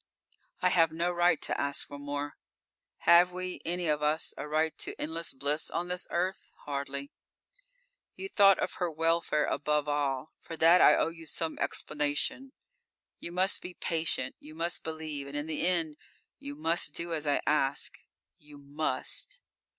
I have no right to ask for more. Have we, any of us, a right to endless bliss on this earth? Hardly._ _You thought of her welfare above all; for that I owe you some explanation. You must be patient, you must believe, and in the end, you must do as I ask._ You must.